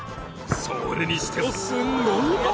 それにしてもすんごいパワー。